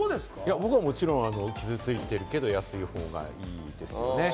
僕はもちろん傷ついていても安い方がいいですね。